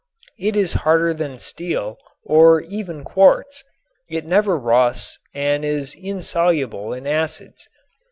It is harder than steel or even quartz. It never rusts and is insoluble in acids.